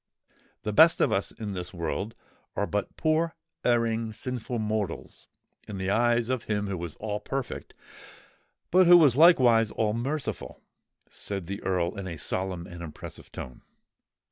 "The best of us in this world are but poor, erring, sinful mortals in the eyes of Him who is all perfect but who is likewise all merciful," said the Earl in a solemn and impressive tone.